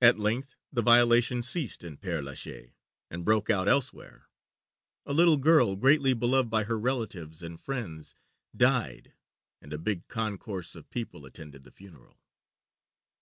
At length the violation ceased in Père Lachaise and broke out elsewhere. A little girl, greatly beloved by her relatives and friends, died, and a big concourse of people attended the funeral.